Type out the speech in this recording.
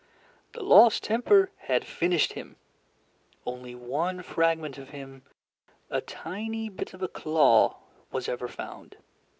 The lost temper had finished him. Only one fragment of him, a tiny bit of a claw, was ever found.